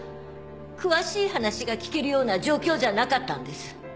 詳しい話が聞けるような状況じゃなかったんです。